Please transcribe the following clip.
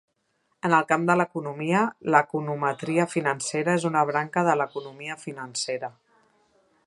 En el camp de l'economia, l'econometria financera és una branca de l'economia financera.